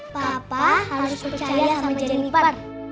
papa harus percaya sama jeniper